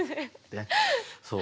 そう。